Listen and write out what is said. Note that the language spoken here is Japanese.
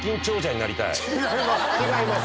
違います